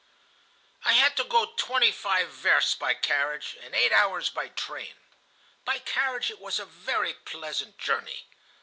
"I had to go twenty five versts by carriage and eight hours by train. By carriage it was a very pleasant journey.